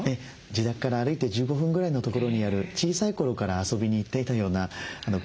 自宅から歩いて１５分ぐらいのところにある小さい頃から遊びに行っていたような公園です。